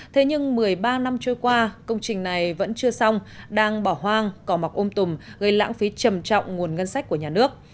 thế nhưng một mươi ba năm trôi qua công trình này vẫn chưa xong đang bỏ hoang cỏ mọc ôm tùm gây lãng phí trầm trọng nguồn ngân sách của nhà nước